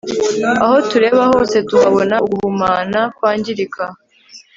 Aho tureba hose tuhabona uguhumana kwangirika